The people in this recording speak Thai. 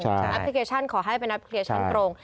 แอปพลิเคชันขอให้เป็นแอปพลิเคชันตรง